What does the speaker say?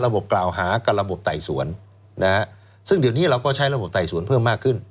กล่าวหากับระบบไต่สวนนะฮะซึ่งเดี๋ยวนี้เราก็ใช้ระบบไต่สวนเพิ่มมากขึ้น